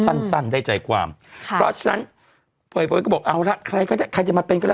สั้นสั้นได้ใจความค่ะเพราะฉะนั้นเผยก็บอกเอาละใครก็ได้ใครจะมาเป็นก็แล้ว